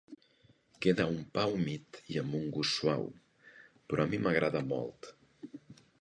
Queda un pa humit i amb un gust suau, però a mi m'agrada molt.